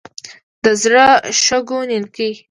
د زري شګو نینکې.